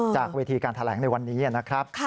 จากเวทีการแถลงในวันนี้นะครับ